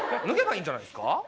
脱げばいいんじゃないですか？